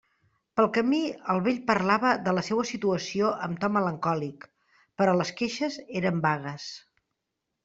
Pel camí el vell parlava de la seua situació amb to melancòlic; però les queixes eren vagues.